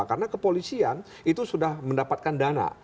karena kepolisian itu sudah mendapatkan dana